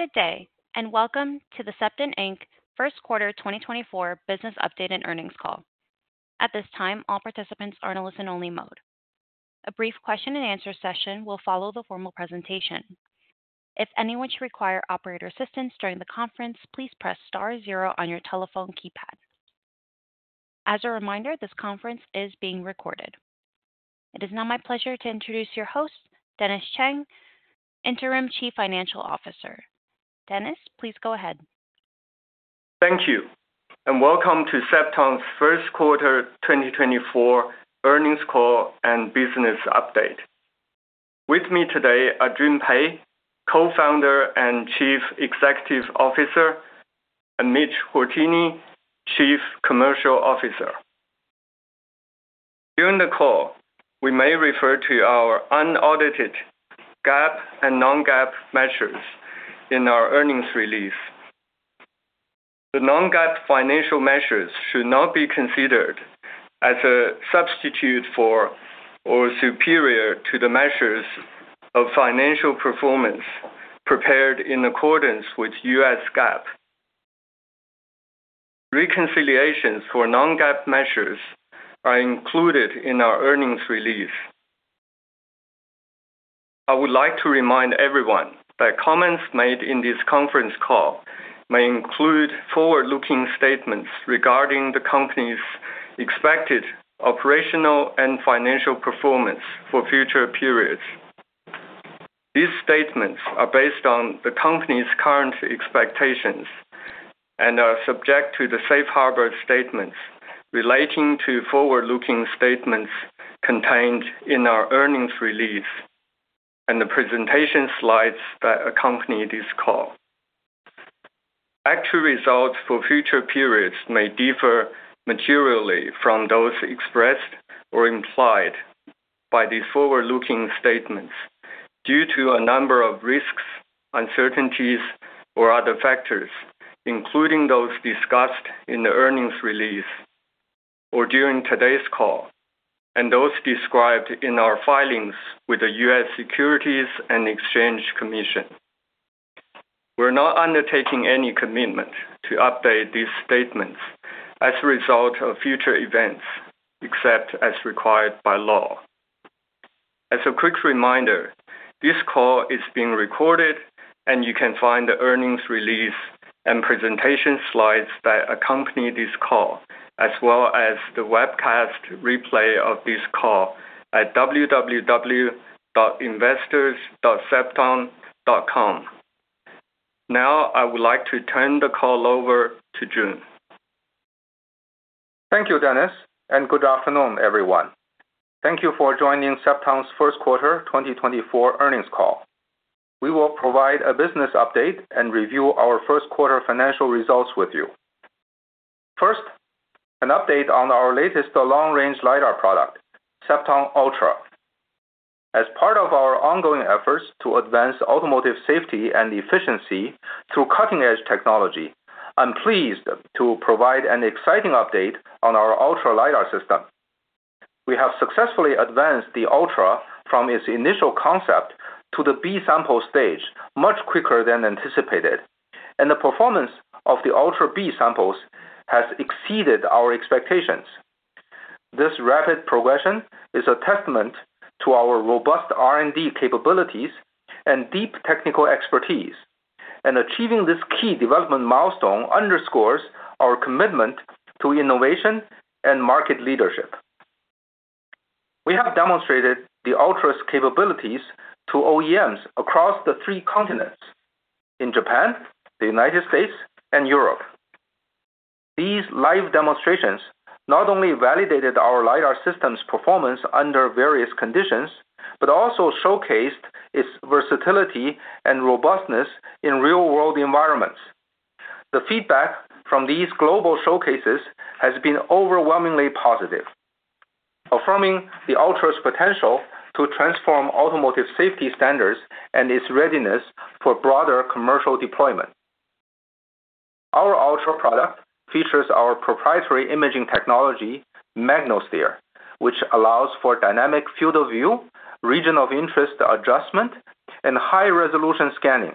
Good day and welcome to the Cepton Inc. First Quarter 2024 Business Update and Earnings Call. At this time, all participants are in a listen-only mode. A brief question-and-answer session will follow the formal presentation. If anyone should require operator assistance during the conference, please press star zero on your telephone keypad. As a reminder, this conference is being recorded. It is now my pleasure to introduce your host, Dennis Chang, Interim Chief Financial Officer. Dennis, please go ahead. Thank you, and welcome to Cepton's first quarter 2024 earnings call and business update. With me today are Jun Pei, co-founder and Chief Executive Officer, and Mitch Hourtienne, Chief Commercial Officer. During the call, we may refer to our unaudited GAAP and non-GAAP measures in our earnings release. The non-GAAP financial measures should not be considered as a substitute for or superior to the measures of financial performance prepared in accordance with US GAAP. Reconciliations for non-GAAP measures are included in our earnings release. I would like to remind everyone that comments made in this conference call may include forward-looking statements regarding the company's expected operational and financial performance for future periods. These statements are based on the company's current expectations and are subject to the safe harbor statements relating to forward-looking statements contained in our earnings release and the presentation slides that accompany this call. Actual results for future periods may differ materially from those expressed or implied by these forward-looking statements due to a number of risks, uncertainties, or other factors, including those discussed in the earnings release or during today's call and those described in our filings with the U.S. Securities and Exchange Commission. We're not undertaking any commitment to update these statements as a result of future events, except as required by law. As a quick reminder, this call is being recorded, and you can find the earnings release and presentation slides that accompany this call as well as the webcast replay of this call at www.investors.cepton.com. Now I would like to turn the call over to Jun. Thank you, Dennis, and good afternoon, everyone. Thank you for joining Cepton's first quarter 2024 earnings call. We will provide a business update and review our first quarter financial results with you. First, an update on our latest long-range LiDAR product, Cepton Ultra. As part of our ongoing efforts to advance automotive safety and efficiency through cutting-edge technology, I'm pleased to provide an exciting update on our Ultra LiDAR system. We have successfully advanced the Ultra from its initial concept to the B-sample stage much quicker than anticipated, and the performance of the Ultra B-samples has exceeded our expectations. This rapid progression is a testament to our robust R&D capabilities and deep technical expertise, and achieving this key development milestone underscores our commitment to innovation and market leadership. We have demonstrated the Ultra's capabilities to OEMs across the three continents: in Japan, the United States, and Europe. These live demonstrations not only validated our LiDAR system's performance under various conditions but also showcased its versatility and robustness in real-world environments. The feedback from these global showcases has been overwhelmingly positive, affirming the Ultra's potential to transform automotive safety standards and its readiness for broader commercial deployment. Our Ultra product features our proprietary imaging technology, MagnoSteer, which allows for dynamic field of view, region of interest adjustment, and high-resolution scanning.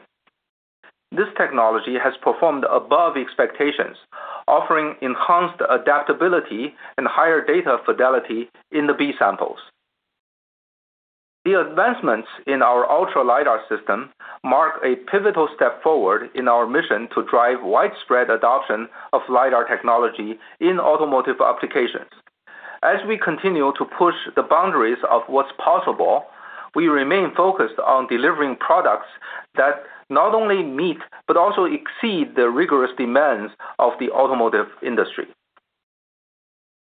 This technology has performed above expectations, offering enhanced adaptability and higher data fidelity in the B-samples. The advancements in our Ultra LiDAR system mark a pivotal step forward in our mission to drive widespread adoption of LiDAR technology in automotive applications. As we continue to push the boundaries of what's possible, we remain focused on delivering products that not only meet but also exceed the rigorous demands of the automotive industry.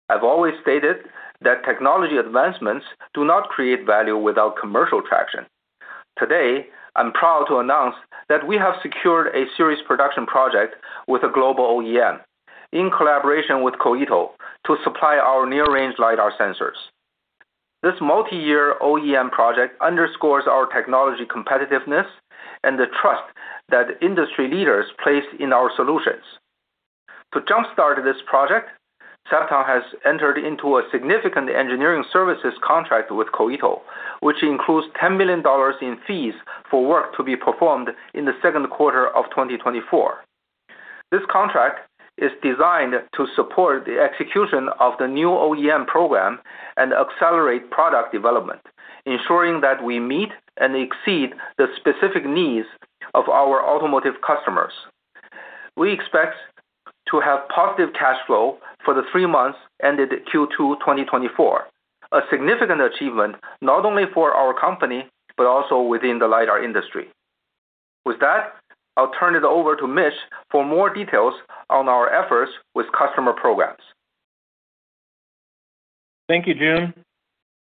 I've always stated that technology advancements do not create value without commercial traction. Today, I'm proud to announce that we have secured a series production project with a global OEM in collaboration with Koito to supply our near-range LiDAR sensors. This multi-year OEM project underscores our technology competitiveness and the trust that industry leaders place in our solutions. To jump-start this project, Cepton has entered into a significant engineering services contract with Koito, which includes $10 million in fees for work to be performed in the second quarter of 2024. This contract is designed to support the execution of the new OEM program and accelerate product development, ensuring that we meet and exceed the specific needs of our automotive customers. We expect to have positive cash flow for the three months ended Q2 2024, a significant achievement not only for our company but also within the LiDAR industry. With that, I'll turn it over to Mitch for more details on our efforts with customer programs. Thank you, Jun.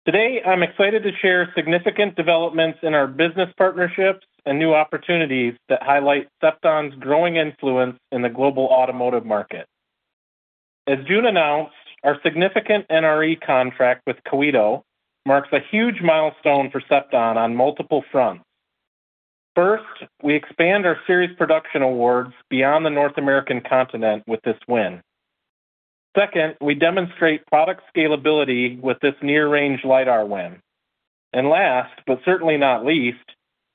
Today, I'm excited to share significant developments in our business partnerships and new opportunities that highlight Cepton's growing influence in the global automotive market. As Jun announced, our significant NRE contract with Koito marks a huge milestone for Cepton on multiple fronts. First, we expand our series production awards beyond the North American continent with this win. Second, we demonstrate product scalability with this near-range LiDAR win. And last but certainly not least,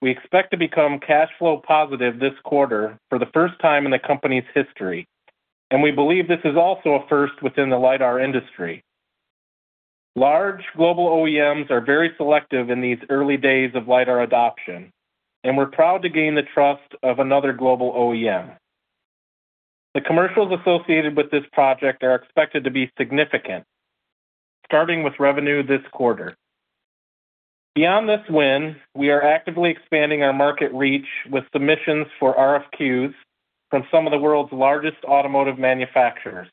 we expect to become cash flow positive this quarter for the first time in the company's history, and we believe this is also a first within the LiDAR industry. Large global OEMs are very selective in these early days of LiDAR adoption, and we're proud to gain the trust of another global OEM. The commercials associated with this project are expected to be significant, starting with revenue this quarter. Beyond this win, we are actively expanding our market reach with submissions for RFQs from some of the world's largest automotive manufacturers.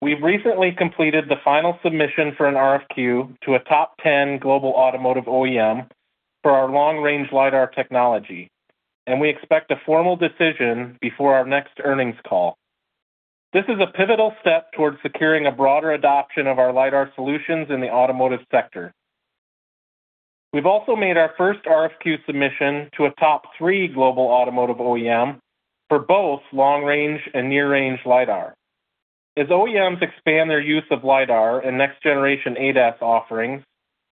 We've recently completed the final submission for an RFQ to a top 10 global automotive OEM for our long-range LiDAR technology, and we expect a formal decision before our next earnings call. This is a pivotal step towards securing a broader adoption of our LiDAR solutions in the automotive sector. We've also made our first RFQ submission to a top 3 global automotive OEM for both long-range and near-range LiDAR. As OEMs expand their use of LiDAR and next-generation ADAS offerings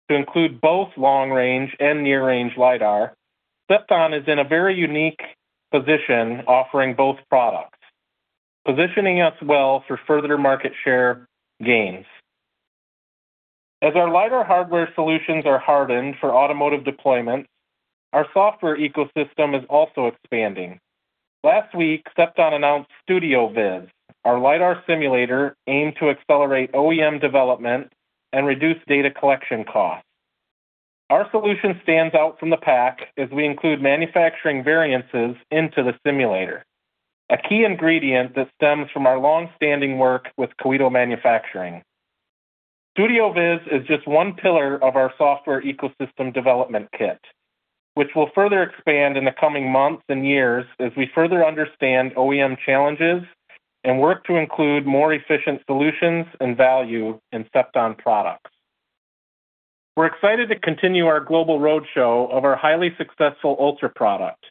to include both long-range and near-range LiDAR, Cepton is in a very unique position offering both products, positioning us well for further market share gains. As our LiDAR hardware solutions are hardened for automotive deployments, our software ecosystem is also expanding. Last week, Cepton announced StudioViz, our LiDAR simulator aimed to accelerate OEM development and reduce data collection costs. Our solution stands out from the pack as we include manufacturing variances into the simulator, a key ingredient that stems from our longstanding work with Koito Manufacturing. StudioViz is just one pillar of our software ecosystem development kit, which will further expand in the coming months and years as we further understand OEM challenges and work to include more efficient solutions and value in Cepton products. We're excited to continue our global roadshow of our highly successful Ultra product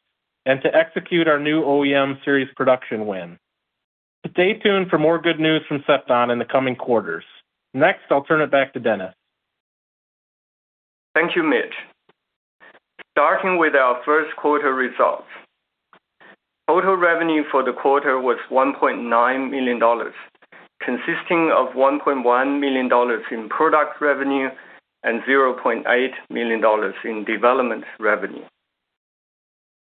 and to execute our new OEM series production win. Stay tuned for more good news from Cepton in the coming quarters. Next, I'll turn it back to Dennis. Thank you, Mitch. Starting with our first quarter results, total revenue for the quarter was $1.9 million, consisting of $1.1 million in product revenue and $0.8 million in development revenue.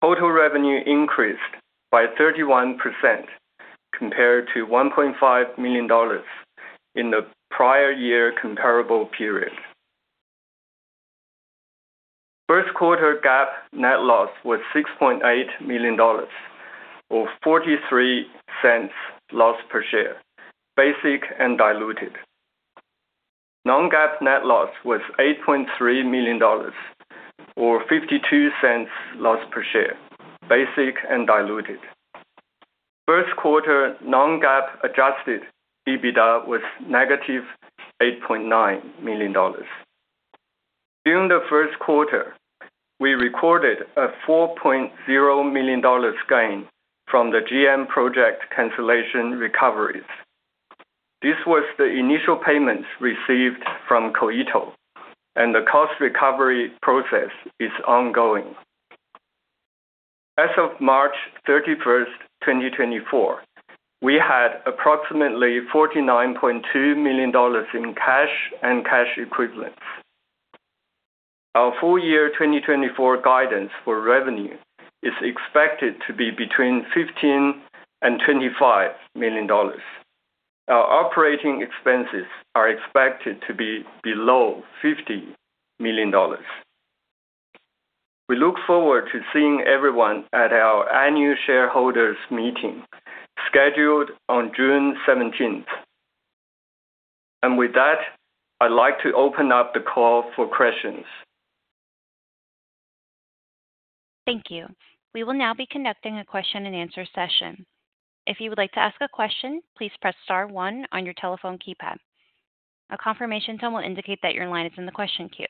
Total revenue increased by 31% compared to $1.5 million in the prior year comparable period. First quarter GAAP net loss was $6.8 million or $0.43 loss per share, basic and diluted. Non-GAAP net loss was $8.3 million or $0.52 loss per share, basic and diluted. First quarter non-GAAP adjusted EBITDA was -$8.9 million. During the first quarter, we recorded a $4.0 million gain from the GM project cancellation recoveries. This was the initial payments received from Koito, and the cost recovery process is ongoing. As of March 31st, 2024, we had approximately $49.2 million in cash and cash equivalents. Our full-year 2024 guidance for revenue is expected to be between $15-$25 million. Our operating expenses are expected to be below $50 million. We look forward to seeing everyone at our annual shareholders' meeting scheduled on June 17th. With that, I'd like to open up the call for questions. Thank you. We will now be conducting a question-and-answer session. If you would like to ask a question, please press star one on your telephone keypad. A confirmation tone will indicate that your line is in the question queue,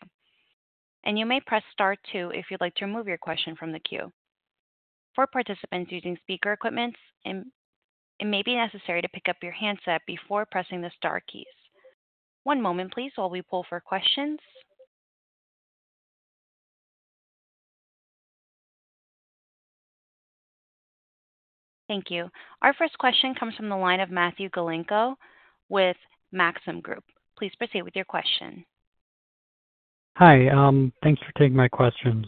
and you may press star two if you'd like to remove your question from the queue. For participants using speaker equipment, it may be necessary to pick up your handset before pressing the star keys. One moment, please, while we poll for questions. Thank you. Our first question comes from the line of Matthew Galenko with Maxim Group. Please proceed with your question. Hi. Thanks for taking my questions.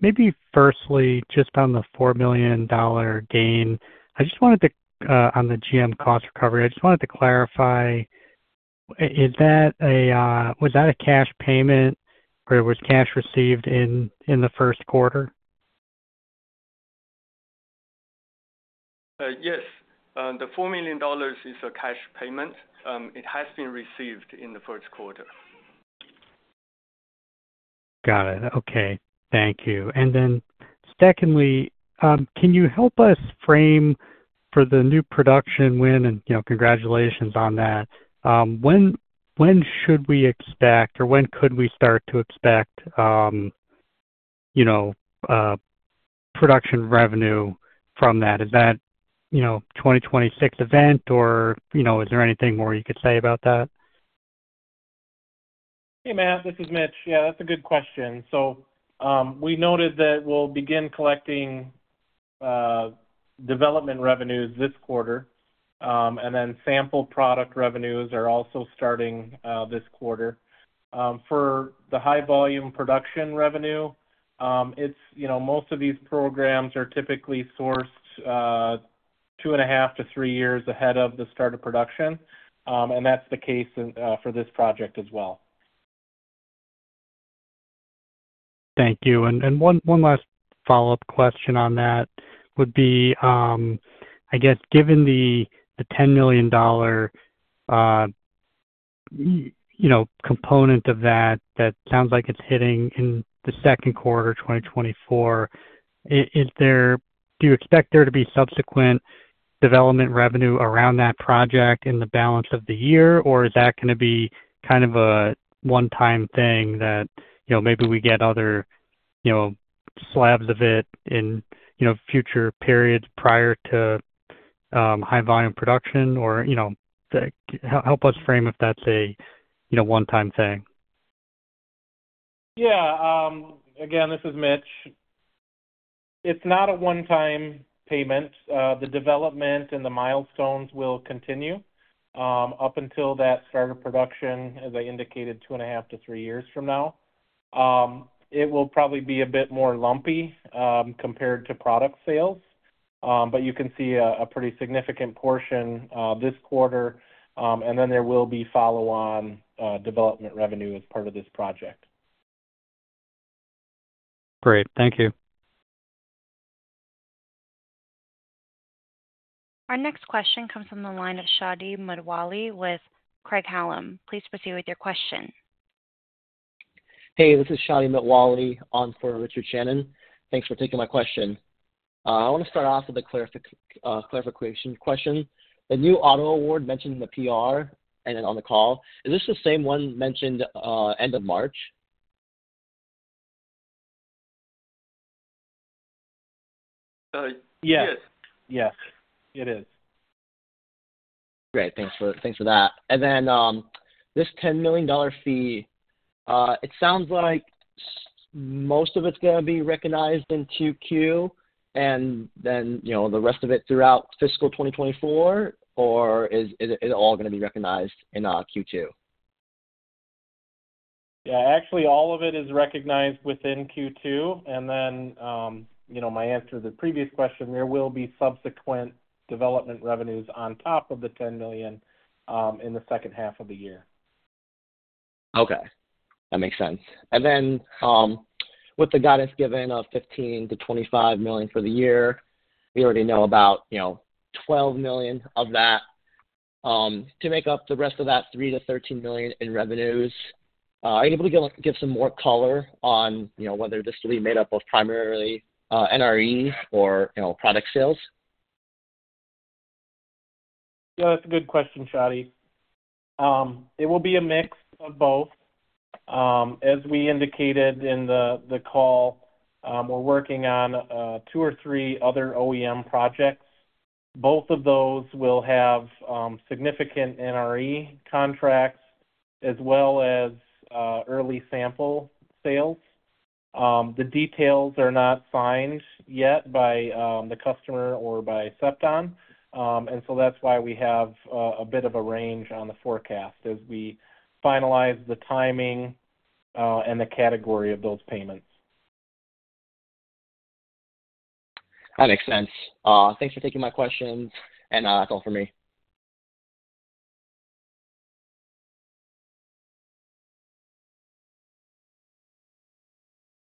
Maybe firstly, just on the $4 million gain, I just wanted to on the GM cost recovery, I just wanted to clarify, was that a cash payment or was cash received in the first quarter? Yes. The $4 million is a cash payment. It has been received in the first quarter. Got it. Okay. Thank you. Then secondly, can you help us frame for the new production win and congratulations on that, when should we expect or when could we start to expect production revenue from that? Is that 2026 event or is there anything more you could say about that? Hey, Matt. This is Mitch. Yeah, that's a good question. So we noted that we'll begin collecting development revenues this quarter, and then sample product revenues are also starting this quarter. For the high-volume production revenue, most of these programs are typically sourced 2.5-3 years ahead of the start of production, and that's the case for this project as well. Thank you. And one last follow-up question on that would be, I guess, given the $10 million component of that that sounds like it's hitting in the second quarter 2024, do you expect there to be subsequent development revenue around that project in the balance of the year, or is that going to be kind of a one-time thing that maybe we get other slabs of it in future periods prior to high-volume production? Or help us frame if that's a one-time thing. Yeah. Again, this is Mitch. It's not a one-time payment. The development and the milestones will continue up until that start of production, as I indicated, 2.5-3 years from now. It will probably be a bit more lumpy compared to product sales, but you can see a pretty significant portion this quarter, and then there will be follow-on development revenue as part of this project. Great. Thank you. Our next question comes from the line of Shadi Mitwalli with Craig-Hallum. Please proceed with your question. Hey. This is Shadi Mitwalli on for Richard Shannon. Thanks for taking my question. I want to start off with a clarification question. The new auto award mentioned in the PR and then on the call, is this the same one mentioned end of March? Yes. Yes. It is. Great. Thanks for that. And then this $10 million fee, it sounds like most of it's going to be recognized in Q2 and then the rest of it throughout fiscal 2024, or is it all going to be recognized in Q2? Yeah. Actually, all of it is recognized within Q2. And then, my answer to the previous question, there will be subsequent development revenues on top of the $10 million in the second half of the year. Okay. That makes sense. And then with the guidance given of $15 million-$25 million for the year, we already know about $12 million of that. To make up the rest of that $3 million-$13 million in revenues, are you able to give some more color on whether this will be made up of primarily NREs or product sales? Yeah. That's a good question, Shadi. It will be a mix of both. As we indicated in the call, we're working on two or three other OEM projects. Both of those will have significant NRE contracts as well as early sample sales. The details are not signed yet by the customer or by Cepton, and so that's why we have a bit of a range on the forecast as we finalize the timing and the category of those payments. That makes sense. Thanks for taking my questions, and that's all from me.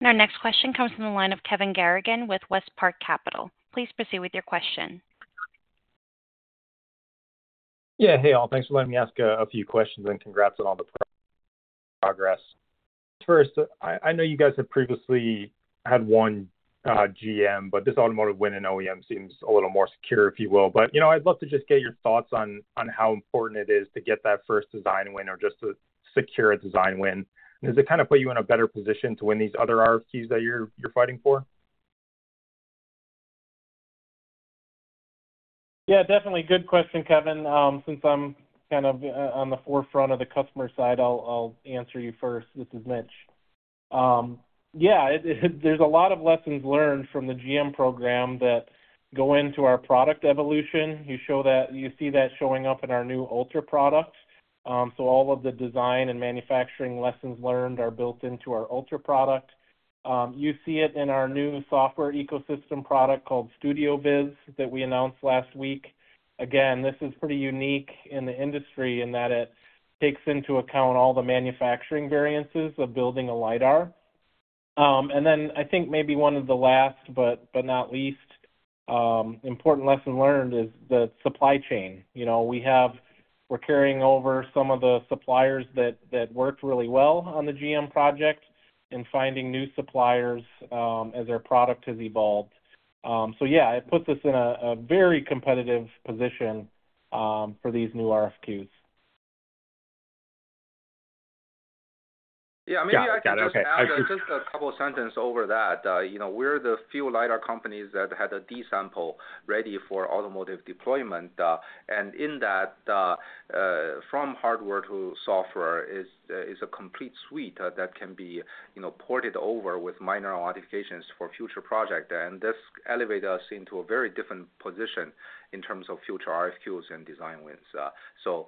Our next question comes from the line of Kevin Garrigan with WestPark Capital. Please proceed with your question. Yeah. Hey, all. Thanks for letting me ask a few questions and congrats on all the progress. First, I know you guys have previously had one GM, but this automotive win in OEM seems a little more secure, if you will. But I'd love to just get your thoughts on how important it is to get that first design win or just to secure a design win. And does it kind of put you in a better position to win these other RFQs that you're fighting for? Yeah. Definitely good question, Kevin. Since I'm kind of on the forefront of the customer side, I'll answer you first. This is Mitch. Yeah. There's a lot of lessons learned from the GM program that go into our product evolution. You see that showing up in our new Ultra product. So all of the design and manufacturing lessons learned are built into our Ultra product. You see it in our new software ecosystem product called StudioViz that we announced last week. Again, this is pretty unique in the industry in that it takes into account all the manufacturing variances of building a LiDAR. And then I think maybe one of the last but not least important lessons learned is the supply chain. We're carrying over some of the suppliers that worked really well on the GM project and finding new suppliers as our product has evolved. So yeah, it puts us in a very competitive position for these new RFQs. Yeah. Maybe I can just add just a couple of sentences over that. We're one of the few LiDAR companies that had a D-sample ready for automotive deployment. And in that, from hardware to software is a complete suite that can be ported over with minor modifications for future projects. And this elevated us into a very different position in terms of future RFQs and design wins. So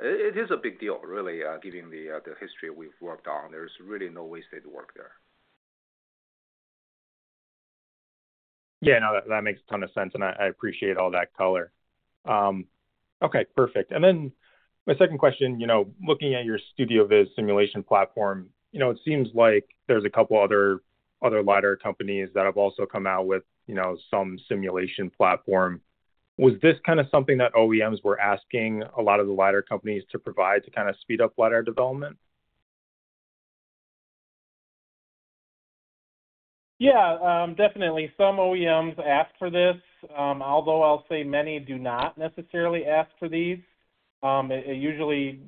it is a big deal, really, given the history we've worked on. There's really no wasted work there. Yeah. No, that makes a ton of sense, and I appreciate all that color. Okay. Perfect. And then my second question, looking at your StudioViz simulation platform, it seems like there's a couple other LiDAR companies that have also come out with some simulation platform. Was this kind of something that OEMs were asking a lot of the LiDAR companies to provide to kind of speed up LiDAR development? Yeah. Definitely. Some OEMs asked for this, although I'll say many do not necessarily ask for these. It usually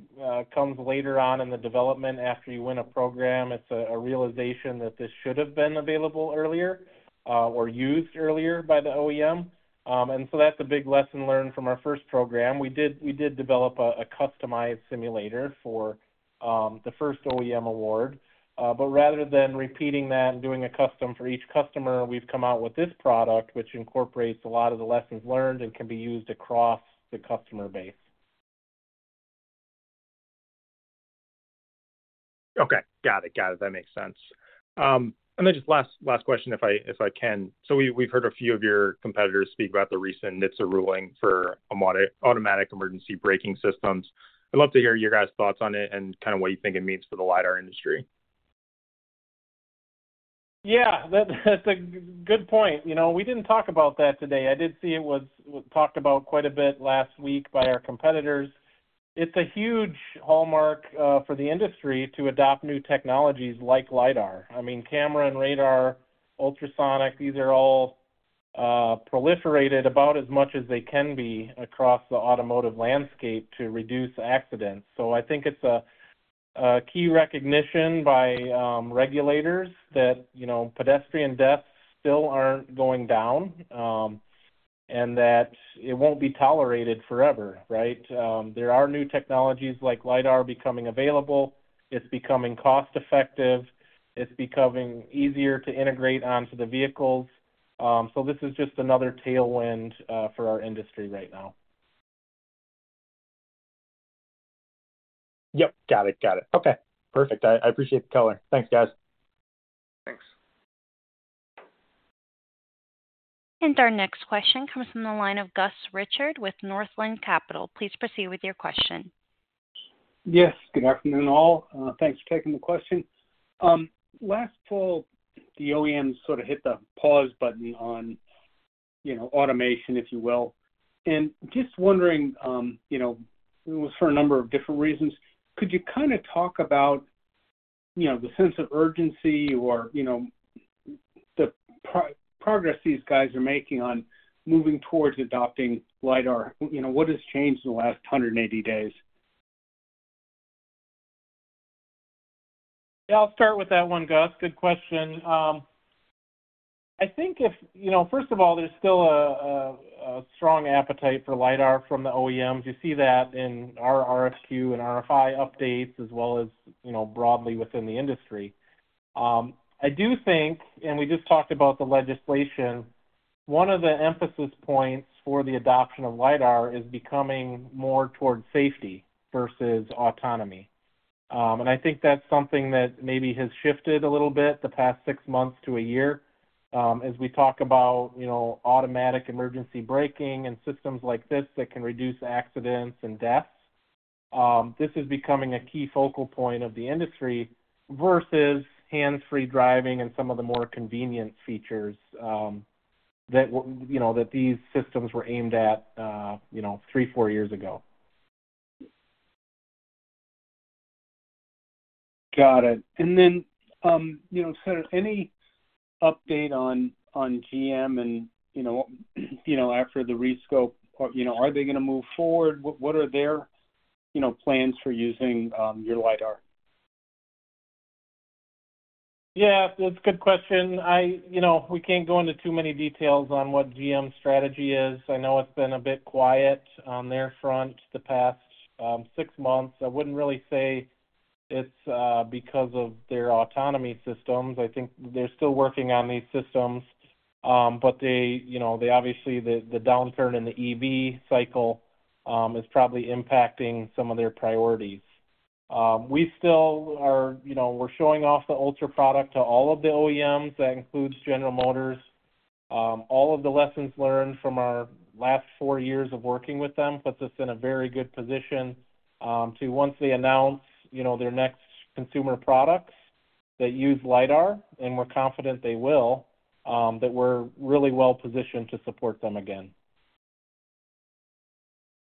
comes later on in the development after you win a program. It's a realization that this should have been available earlier or used earlier by the OEM. And so that's a big lesson learned from our first program. We did develop a customized simulator for the first OEM award. But rather than repeating that and doing a custom for each customer, we've come out with this product, which incorporates a lot of the lessons learned and can be used across the customer base. Okay. Got it. Got it. That makes sense. And then just last question, if I can. So we've heard a few of your competitors speak about the recent NHTSA ruling for automatic emergency braking systems. I'd love to hear your guys' thoughts on it and kind of what you think it means for the LiDAR industry. Yeah. That's a good point. We didn't talk about that today. I did see it was talked about quite a bit last week by our competitors. It's a huge hallmark for the industry to adopt new technologies like LiDAR. I mean, camera and radar, ultrasonic, these are all proliferated about as much as they can be across the automotive landscape to reduce accidents. So I think it's a key recognition by regulators that pedestrian deaths still aren't going down and that it won't be tolerated forever, right? There are new technologies like LiDAR becoming available. It's becoming cost-effective. It's becoming easier to integrate onto the vehicles. So this is just another tailwind for our industry right now. Yep. Got it. Got it. Okay. Perfect. I appreciate the color. Thanks, guys. Thanks. Our next question comes from the line of Gus Richard with Northland Capital. Please proceed with your question. Yes. Good afternoon, all. Thanks for taking the question. Last fall, the OEMs sort of hit the pause button on automation, if you will. And just wondering, it was for a number of different reasons, could you kind of talk about the sense of urgency or the progress these guys are making on moving towards adopting LiDAR? What has changed in the last 180 days? Yeah. I'll start with that one, Gus. Good question. I think if, first of all, there's still a strong appetite for LiDAR from the OEMs. You see that in our RFQ and RFI updates as well as broadly within the industry. I do think, and we just talked about the legislation, one of the emphasis points for the adoption of LiDAR is becoming more towards safety versus autonomy. And I think that's something that maybe has shifted a little bit the past 6 months to a year as we talk about automatic emergency braking and systems like this that can reduce accidents and deaths. This is becoming a key focal point of the industry versus hands-free driving and some of the more convenient features that these systems were aimed at 3, 4 years ago. Got it. And then, Seth, any update on GM and after the rescope, are they going to move forward? What are their plans for using your LiDAR? Yeah. That's a good question. We can't go into too many details on what GM's strategy is. I know it's been a bit quiet on their front the past six months. I wouldn't really say it's because of their autonomy systems. I think they're still working on these systems, but obviously, the downturn in the EV cycle is probably impacting some of their priorities. We're showing off the Ultra product to all of the OEMs. That includes General Motors. All of the lessons learned from our last four years of working with them puts us in a very good position to, once they announce their next consumer products that use LiDAR, and we're confident they will, that we're really well positioned to support them again.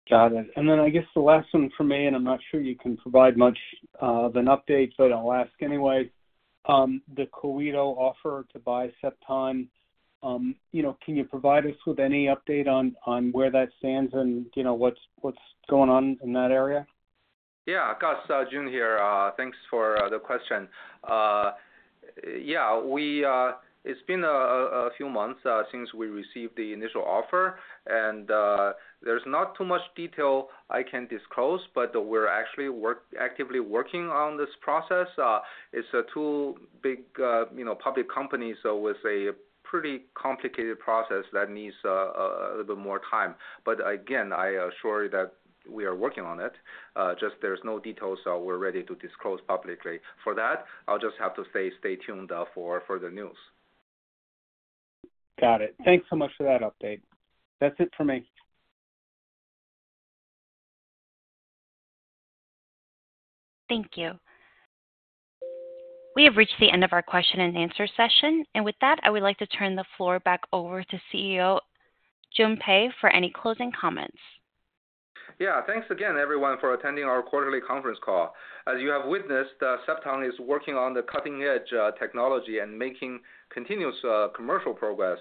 Got it. And then I guess the last one for me, and I'm not sure you can provide much of an update, but I'll ask anyway. The Koito offer to buy Cepton, can you provide us with any update on where that stands and what's going on in that area? Yeah. Gus, Jun here. Thanks for the question. Yeah. It's been a few months since we received the initial offer, and there's not too much detail I can disclose, but we're actually actively working on this process. It's a two big public companies, so it was a pretty complicated process that needs a little bit more time. But again, I assure you that we are working on it. Just there's no details, so we're ready to disclose publicly for that. I'll just have to say stay tuned for further news. Got it. Thanks so much for that update. That's it for me. Thank you. We have reached the end of our question-and-answer session. And with that, I would like to turn the floor back over to CEO Jun Pei for any closing comments. Yeah. Thanks again, everyone, for attending our quarterly conference call. As you have witnessed, Cepton is working on the cutting-edge technology and making continuous commercial progress.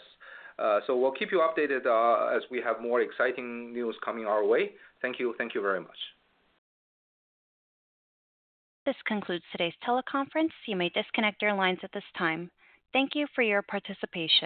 So we'll keep you updated as we have more exciting news coming our way. Thank you. Thank you very much. This concludes today's teleconference. You may disconnect your lines at this time. Thank you for your participation.